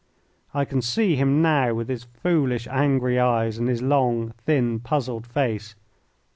I can see him now with his foolish, angry eyes and his long, thin, puzzled face.